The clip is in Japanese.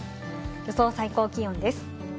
予想最高気温です。